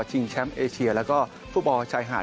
ซึ่งแชมป์เอเซียและฟุตบอล๒๐๒๐ขอยาด